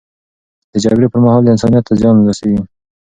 د جګړې پر مهال، انسانیت ته زیان رسیږي.